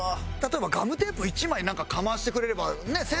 例えばガムテープ１枚かましてくれればね